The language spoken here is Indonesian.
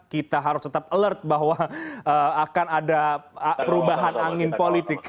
kita harus tetap alert bahwa akan ada perubahan angin politik